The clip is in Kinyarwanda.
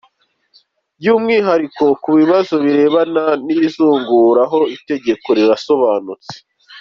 By’umwihariko ku bibazo birebana n’izungura ho itegeko rirasobanutse.